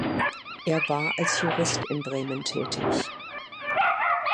Er war als Jurist in Bremen tätig.